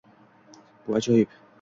Bu ajoyib